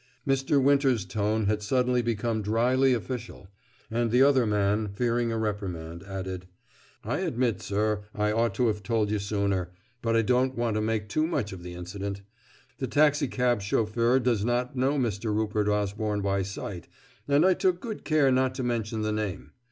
Mr. Winter's tone had suddenly become dryly official, and the other man, fearing a reprimand, added: "I admit, sir, I ought to have told you sooner, but I don't want to make too much of the incident. The taxicab chauffeur does not know Mr. Rupert Osborne by sight, and I took good care not to mention the name.